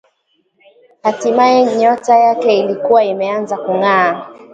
Hatimaye, nyota yake ilikuwa imeanza kung’aa